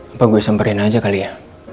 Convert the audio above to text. apa gue samperin aja kali ya